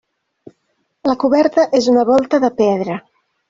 La coberta és una volta de pedra.